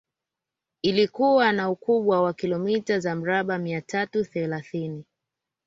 Ilikuwa na ukubwa wa kilomita za mraba mia tatu thelathini